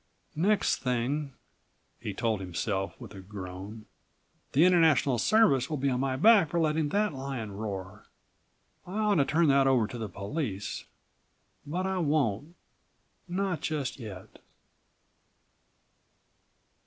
"Next thing," he told himself with a groan, "the International Service will be on my back for letting that lion roar. I ought to turn that over to the police; but I won't, not just yet."